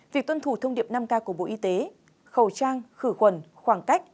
việc tuân thủ thông điệp năm k của bộ y tế khẩu trang khử khuẩn khoảng cách